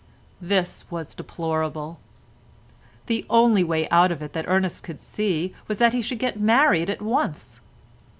This was deplorable. The only way out of it that Ernest could see was that he should get married at once.